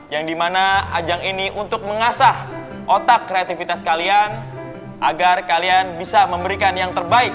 yang dimana ajang ini untuk mengasah otak kreativitas kalian agar kalian bisa memberikan yang terbaik